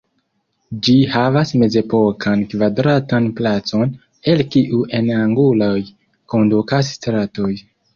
Ĝi havas mezepokan kvadratan placon, el kiu en anguloj kondukas stratoj.